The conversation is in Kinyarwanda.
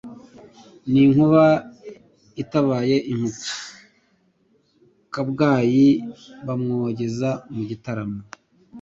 Ni inkuba itabaye inkukuN' i Kabgayi bamwogeza mu bitaramo.